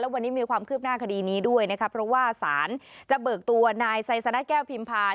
วันนี้มีความคืบหน้าคดีนี้ด้วยนะครับเพราะว่าสารจะเบิกตัวนายไซสนะแก้วพิมพา